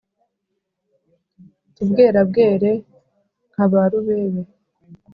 Tubwerabwere nka barubebe